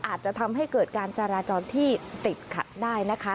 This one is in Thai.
อาจจะทำให้เกิดการจราจรที่ติดขัดได้นะคะ